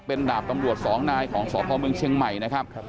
เป็นดาบตำรวจสองนายของสพเมืองเชียงใหม่นะครับ